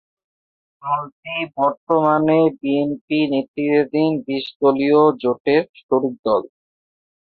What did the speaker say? দলটি বর্তমানে বিএনপি নেতৃত্বাধীন বিশ দলীয় জোটের শরীক দল।